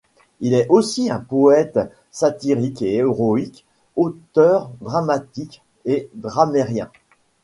Il est aussi un poète satirique et héroïque, auteur dramatique et grammairien.